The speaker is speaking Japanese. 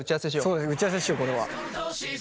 そうね打ち合わせしようこれは。